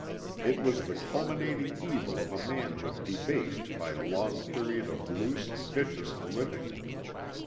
It was the culminating evil of a manhood debased by a long period of loose, vicious living.